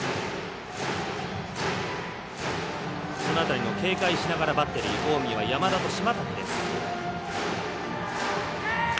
このあたりも警戒しながらバッテリーは近江は山田と島瀧です。